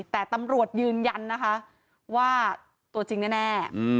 แต่ตำรวจยืนยันนะคะว่าตัวจริงแน่